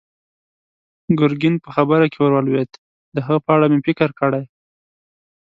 ګرګين په خبره کې ور ولوېد: د هغه په اړه مې فکر کړی.